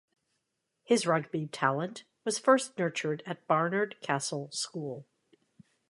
His rugby talent was first nurtured at Barnard Castle School.